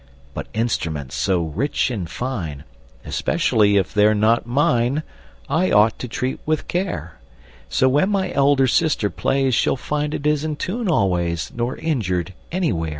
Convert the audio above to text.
But instruments so rich and fine (Especially if they're not mine) I ought to treat with care; So when my elder sister plays She'll find it is in tune always, Nor injured anywhere!